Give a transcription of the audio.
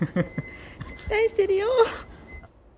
期待してるよー。